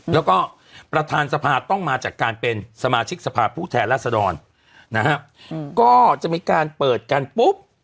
แล้วก็ประธานสภาต้องมาจากการเป็นสมาชิกสภาพผู้แทนรัศดรนะฮะก็จะมีการเปิดกันปุ๊บ